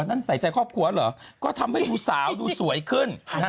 นั่นใส่ใจครอบครัวเหรอก็ทำให้ดูสาวดูสวยขึ้น